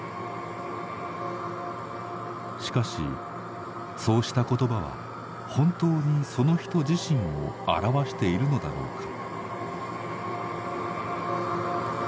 しかしそうした言葉は本当にその人自身を表しているのだろうか。